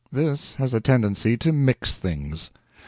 This has a tendency to mix things.